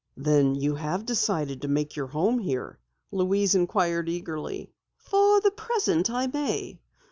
"Then you have decided to make your home here?" Louise inquired eagerly. "For the present, I may.